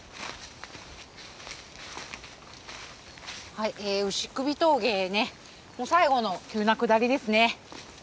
はい牛首峠へ最後の急な下りですね。